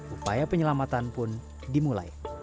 upaya penyelamatan pun dimulai